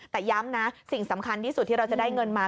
แต่ย้ำนะสิ่งสำคัญที่สุดที่เราจะได้เงินมา